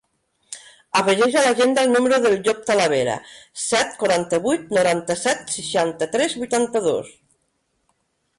Afegeix a l'agenda el número del Llop Talavera: set, quaranta-vuit, noranta-set, seixanta-tres, vuitanta-dos.